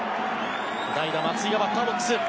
代打、松井がバッターボックス。